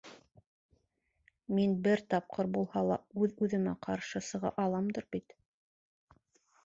Мин бер тапҡыр булһа ла үҙ үҙемә ҡаршы сыға аламдыр бит.